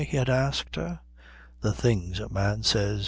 he had asked her the things a man says!